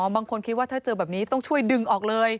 บางคนคิดว่าถ้าเจอแบบนี้ต้องช่วยดึงออกเลย